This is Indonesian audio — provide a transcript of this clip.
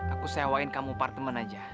aku sewain kamu apartemen aja